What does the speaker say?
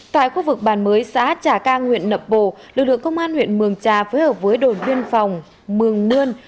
tại khu vực bàn mới xã trà cang huyện nậm bồ lực lượng công an huyện mường trà phối hợp với đồn biên phòng mường nươn